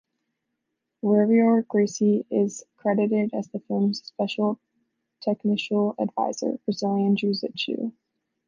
Rorion Gracie is credited as the film's special technical advisor: Brazilian jiu-jitsu.